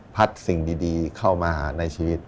สิ่งดีเข้ามาในชีวิต